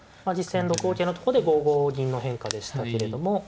まあ実戦６五桂のとこで５五銀の変化でしたけれども。